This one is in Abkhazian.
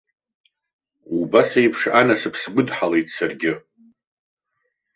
Убас еиԥш анасыԥ сгәыдҳалеит саргьы.